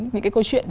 những cái câu chuyện